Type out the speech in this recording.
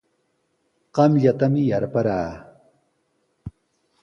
Qamllatami yarparaa.